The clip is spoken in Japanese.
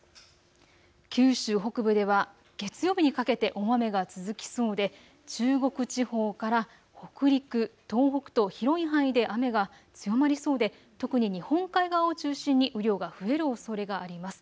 九州北部では月曜日にかけて大雨が続きそうで、中国地方から北陸、東北と広い範囲で雨が強まりそうで、特に日本海側を中心に雨量が増えるおそれがあります。